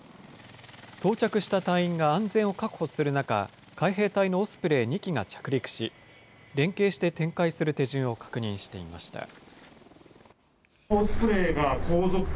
到着した隊員が安全を確保する中、海兵隊のオスプレイ２機が着陸し、連携して展開する手順を確認していました。